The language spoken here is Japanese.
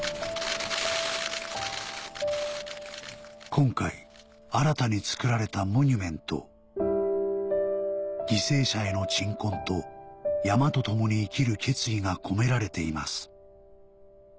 今回新たに作られたモニュメント犠牲者への鎮魂と山と共に生きる決意が込められています